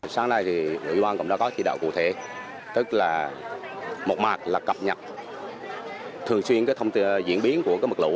sáng nay thì ủy ban cũng đã có chỉ đạo cụ thể tức là một mạc là cập nhật thường xuyên cái thông tin diễn biến của mực lũ